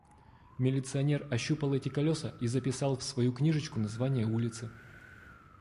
Милиционер ощупал эти колёса и записал в свою книжечку название улицы.